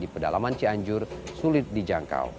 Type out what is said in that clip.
di pedalaman cianjur sulit dijangkau